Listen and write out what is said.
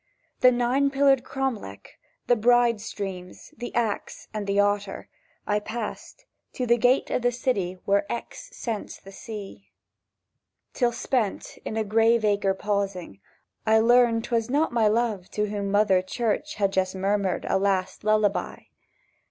The Nine Pillared Cromlech, the Bride streams, The Axe, and the Otter I passed, to the gate of the city Where Exe scents the sea; Till, spent, in the graveacre pausing, I learnt 'twas not my Love To whom Mother Church had just murmured A last lullaby.